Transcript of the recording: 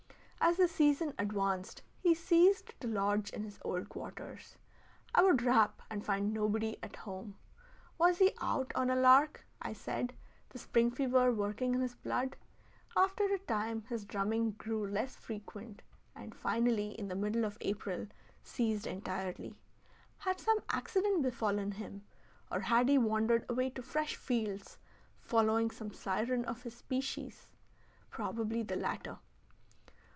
As the season advanced he ceased to lodge in his old quarters. I would rap and find nobody at home. Was he out on a lark, I said, the spring fever working in his blood? After a time his drumming grew less frequent, and finally, in the middle of April, ceased entirely. Had some accident befallen him, or had he wandered away to fresh fields, following some siren of his species? Probably the latter.